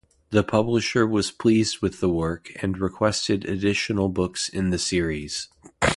The publisher was pleased with the work and requested additional books in the series.